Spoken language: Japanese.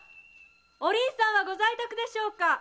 お凛さんはご在宅ですか？